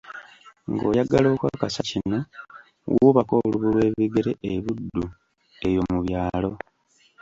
Ng'oyagala okukakasa kino wuubako olubu lwebigere e Buddu, eyo mu byalo.